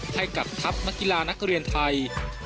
ให้กับทัพนักกีฬานักเรียนไทย